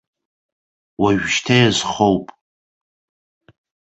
Уажәшьҭа иазхоуп!